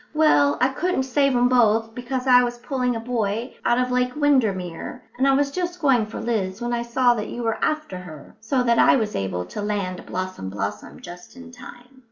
"Well, I couldn't save 'em both, because I was pulling a boy out of Lake Windermere; and I was just going for Liz when I saw that you were after her, so that I was able to land Blossom blossom just in time."